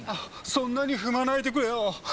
そんなにふまないでくれよ。